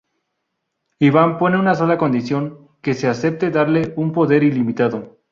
Iván pone una sola condición, que se acepte darle un poder ilimitado.